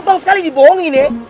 gampang sekali dibohongin ya